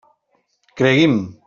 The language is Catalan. Cregui'm.